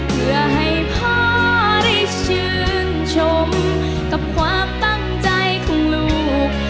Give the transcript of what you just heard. เพื่อให้พ่อได้ชื่นชมกับความตั้งใจของลูก